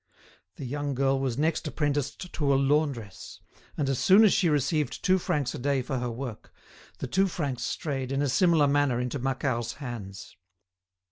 The young girl was next apprenticed to a laundress, and as soon as she received two francs a day for her work, the two francs strayed in a similar manner into Macquart's hands.